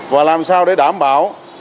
và làm sao để đảm bảo